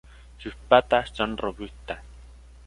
Sus patas son robustas.